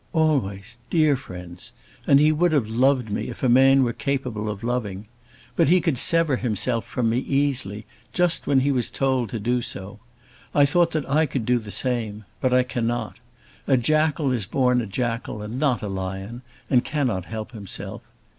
"Always; dear friends. And he would have loved me if a man were capable of loving. But he could sever himself from me easily, just when he was told to do so. I thought that I could do the same. But I cannot. A jackal is born a jackal, and not a lion, and cannot help himself.